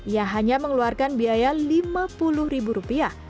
ia hanya mengeluarkan biaya rp lima puluh